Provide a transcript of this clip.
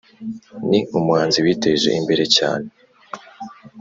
Ni umuhanzi witeje imbere cyane.